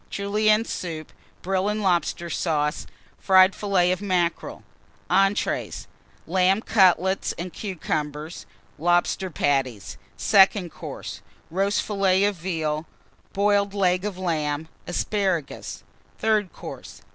Julienne Soup. Brill and Lobster Sauce. Fried Fillets of Mackerel. ENTREES Lamb Cutlets and Cucumbers. Lobster Patties. SECOND COURSE. Roast Fillet of Veal. Boiled Leg of Lamb. Asparagus. THIRD COURSE.